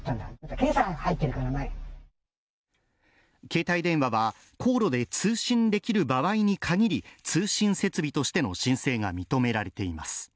携帯電話は航路で通信できる場合にかぎり通信設備としての申請が認められています。